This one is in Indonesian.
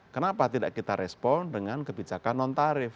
kenapa tidak kita respon dengan kebijakan non tarif